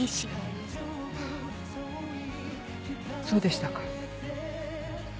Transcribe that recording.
ハァそうでしたか。